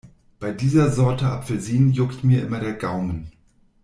Bei dieser Sorte Apfelsinen juckt mir immer der Gaumen.